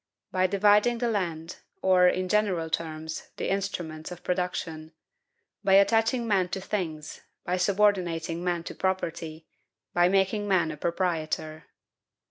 by dividing the land, or, in general terms, the instruments of production; by attaching men to things, by subordinating man to property, by making man a proprietor."